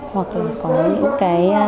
hoặc là có những thay đổi của các cụ